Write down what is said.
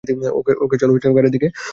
ওকে, চলো গাড়ির দিকে যাই।